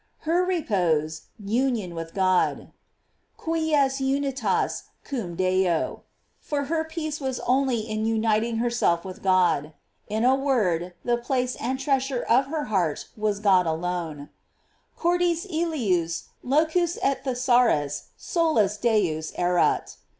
Her repose, union with God: "Quies unitas cum Deo," for her peace was only in uniting herself with God. In a word, the place and treasure of her heart was God alone: "Cordis illius locua et thesaurus solus Deus erat."